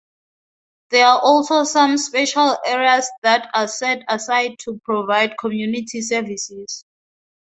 There are also some special areas that are set aside to provide community services.